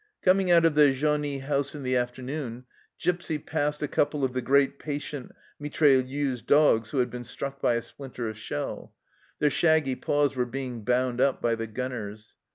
Coming out of the genie house in the afternoon Gipsy passed a couple of the great patient mitrailleuse dogs who had been struck by a splinter of shell ; their shaggy paws were being bound up by the gunners.